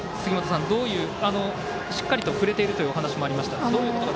しっかり振れているというお話もありましたが。